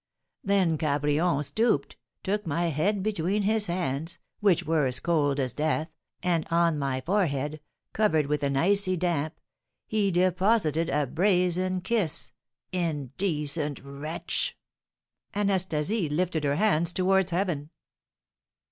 Then Cabrion stooped, took my head between his hands, which were as cold as death, and on my forehead, covered with an icy damp, he deposited a brazen kiss, indecent wretch!" Anastasie lifted her hands towards heaven.